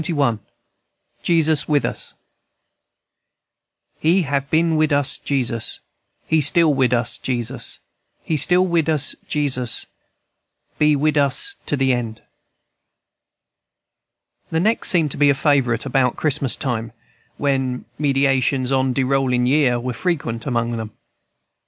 JESUS WITH US. "He have been wid us, Jesus He still wid us, Jesus, He will be wid us, Jesus, Be wid us to the end." The next seemed to be a favorite about Christmas time, when meditations on "de rollin' year" were frequent among them.